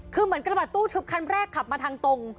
คือเหมือนกระบาดตู้ทึบคันแรกขับมาทางตรง